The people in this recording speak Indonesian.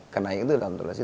kenaik itu dalam toleransi